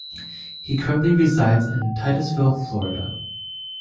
He currently resides in Titusville, Florida.